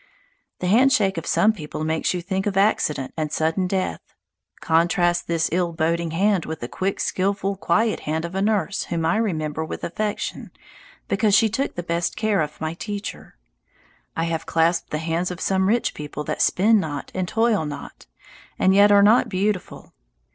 The handshake of some people makes you think of accident and sudden death. Contrast this ill boding hand with the quick, skilful, quiet hand of a nurse whom I remember with affection because she took the best care of my teacher. I have clasped the hands of some rich people that spin not and toil not, and yet are not beautiful.